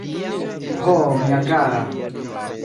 Ho, mia kara!